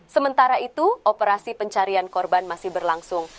sementara itu operasi pencarian korban masih berlangsung